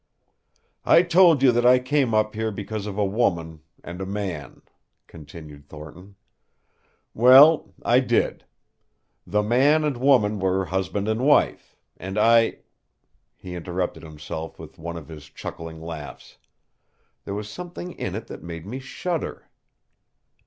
"I told you that I came up here because of a woman and a man," continued Thornton. "Well, I did. The man and woman were husband and wife, and I " He interrupted himself with one of his chuckling laughs. There was something in it that made me shudder.